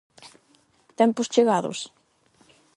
Tempos chegados?